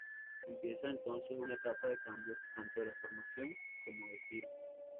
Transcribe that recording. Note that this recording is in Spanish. Empieza entonces una etapa de cambios, tanto de la formación como de estilo.